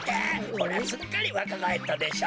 ほらすっかりわかがえったでしょ？